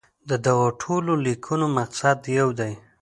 د دغو ټولو لیکنو مقصد یو دی.